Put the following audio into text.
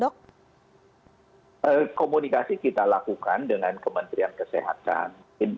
komunikasi kita lakukan dengan kementerian kesehatan